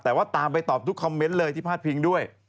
แต่ว่าตามไปตอบทุกคอมเมนต์เลยที่พาดพิงด้วย